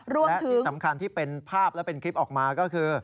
และที่สำคัญที่เป็นภาพและเป็นคลิปออกมาก็คือ